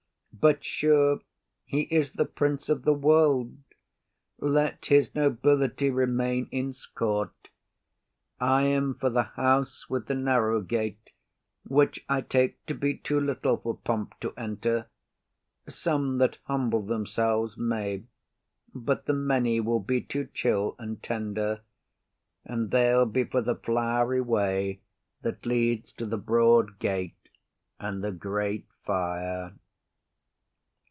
But sure he is the prince of the world; let his nobility remain in's court. I am for the house with the narrow gate, which I take to be too little for pomp to enter: some that humble themselves may, but the many will be too chill and tender, and they'll be for the flow'ry way that leads to the broad gate and the great fire.